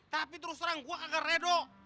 tapi terus terang gua kagak reda